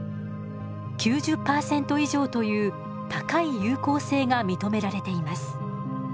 ９０％以上という高い有効性が認められています。